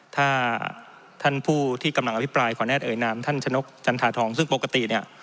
ถ้าท่านผู้ที่กำลังอภิปรายขออนุญาตเอ่ยนามท่านชนกจันทาทองซึ่งปกติเนี่ย